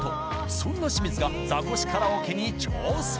そんな清水がザコシカラオケに挑戦